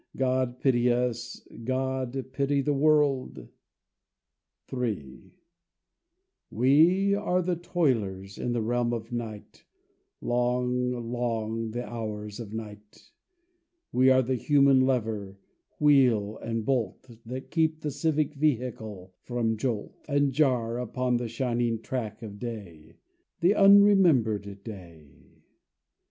God pity us; God pity the world. III We are the toilers in the realm of night (Long, long the hours of night), We are the human lever, wheel, and bolt, That keeps the civic vehicle from jolt, And jar upon the shining track of day (The unremembered day).